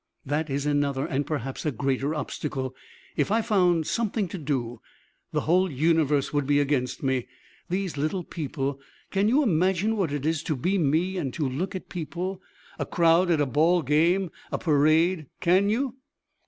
That is another and perhaps a greater obstacle. If I found something to do, the whole universe would be against me. These little people! Can you imagine what it is to be me and to look at people? A crowd at a ball game? A parade? Can you?"